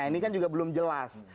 ini kan juga belum jelas